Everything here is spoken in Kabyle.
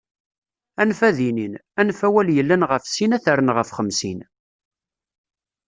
Anef ad inin, anef awal yellan ɣef sin ad tarren ɣef xemsin.